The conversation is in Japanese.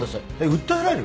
訴えられる？